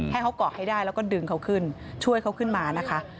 ให้เขาเกาะให้ได้แล้วก็ดึงเขาขึ้นช่วยเขาขึ้นมานะคะ